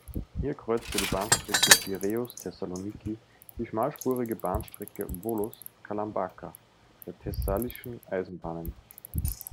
Hier kreuzte die Bahnstrecke Piräus–Thessaloniki die schmalspurige Bahnstrecke Volos–Kalambaka der thessalischen Eisenbahnen.